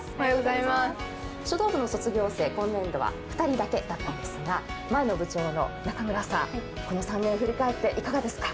書道部の卒業生、今年度は２人だけだったんですが前の部長の中村さん、この３年を振り返っていかがでしたか。